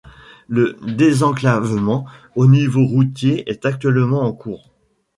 Le désenclavement au niveau routier est actuellement en cours.